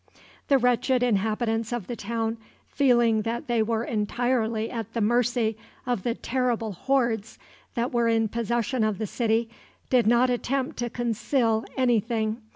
The wretched inhabitants of the town, feeling that they were entirely at the mercy of the terrible hordes that were in possession of the city, did not attempt to conceal any thing.